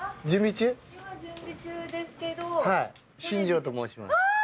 新庄と申します。